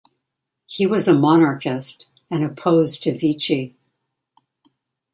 He was a monarchist, and opposed to Vichy.